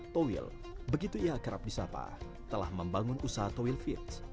toil begitu ia akrab di sapa telah membangun usaha toilfeeds